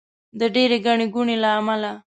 د ډېرې ګڼې ګوڼې له امله.